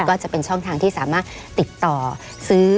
ก็จะเป็นช่องทางที่สามารถติดต่อซื้อ